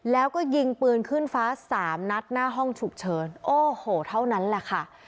แล้วก็ยิงปืนขึ้นฟ้าสามนัดหน้าห้องฉุกเฉินโอ้โหเท่านั้นแหละค่ะ